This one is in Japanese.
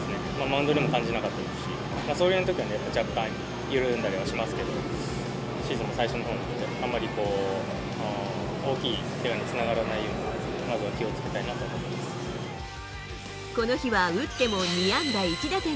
マウンドでも感じなかったですし、走塁のときは若干、緩んだりはしますけど、シーズンも最初のほうなので、あんまり大きいけがにつながらないように、まずは気をつけたいなと思ってます。